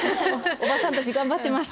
おばさんたち頑張ってます。